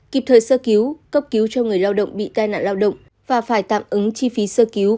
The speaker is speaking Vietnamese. kịp thời sơ cứu cấp cứu cho người lao động bị tai nạn lao động và phải tạm ứng chi phí sơ cứu